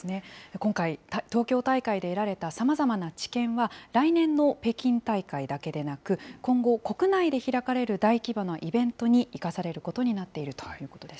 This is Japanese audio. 今回、東京大会で得られたさまざまな知見は、来年の北京大会だけでなく、今後、国内で開かれる大規模なイベントに生かされることになっているということです。